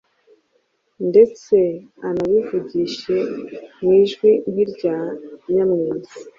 ndetse anivugisha mu ijwi nk’irya Nyamwezi,